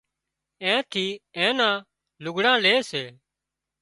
اين ٿِي اين نان لگھڙان لي سي